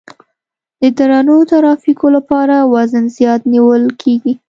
د درنو ترافیکو لپاره وزن زیات نیول کیږي